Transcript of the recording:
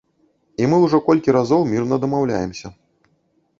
І мы ўжо колькі разоў мірна дамаўляемся.